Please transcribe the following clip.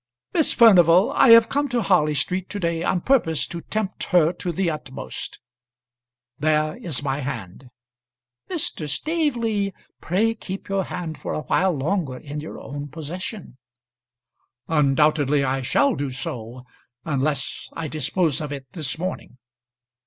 "Miss Furnival, I have come to Harley Street to day on purpose to tempt her to the utmost. There is my hand " "Mr. Staveley, pray keep your hand for a while longer in your own possession." "Undoubtedly I shall do so, unless I dispose of it this morning.